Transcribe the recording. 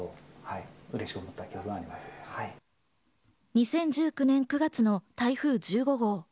２０１９年９月の台風１５号。